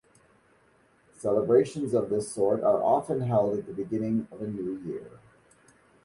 Celebrations of this sort are often held at the beginning of a new year.